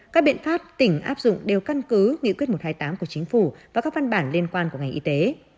các biện pháp tỉnh áp dụng đều căn cứ nghị quyết một trăm hai mươi tám của chính phủ và các văn bản liên quan của ngành y tế